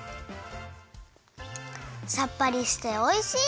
さっぱりしておいしい！